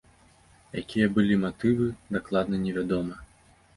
Якія былі матывы, дакладна невядома.